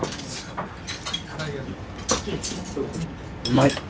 うまいっ。